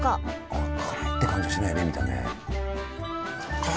あっ辛いって感じはしないね見た目。